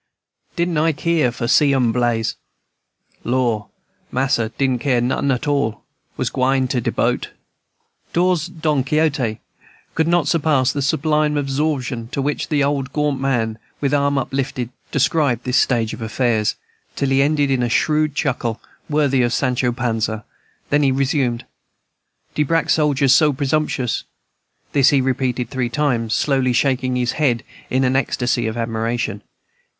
Didn't I keer for see 'em blaze? Lor, mas'r, didn't care notin' at all, was gwine to de boat." Dore's Don Quixote could not surpass the sublime absorption in which the gaunt old man, with arm uplifted, described this stage of affairs, till he ended in a shrewd chuckle, worthy of Sancho Panza. Then he resumed. "De brack sojers so presumptious!" This he repeated three times, slowly shaking his head in an ecstasy of admiration.